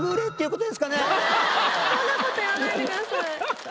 そんなこと言わないでください。